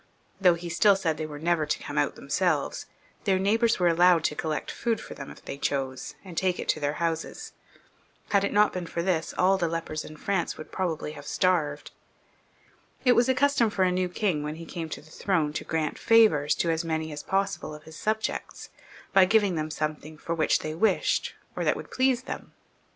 Though he still said they were never to come out themselves, their neighbours were allowed to collect food for them if they chose, and take it to their houses. Had it not been for this, all the lepers in France would probably have been starved. It was a custom for a new king, when he came to the throne, to grant favours to as many as possible of his subjects, by giving them something for which they wished, or that would please them.